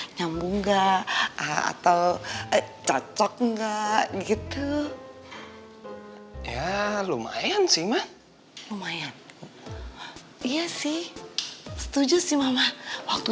nyambung enggak atau cocok enggak gitu ya lumayan sih mah lumayan iya sih setuju sih mama waktu